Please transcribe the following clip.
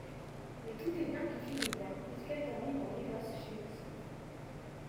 Mais tout est bien qui finit bien, puisqu'elle termine en Écosse chez Mrs.